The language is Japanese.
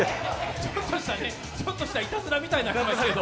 ちょっとしたいたずらみたいになりましたけど。